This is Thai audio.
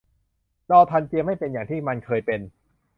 นอสทัลเจียไม่เป็นอย่างที่มันเคยเป็น